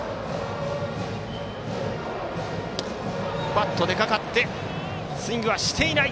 バットが出かかってスイングはしていない。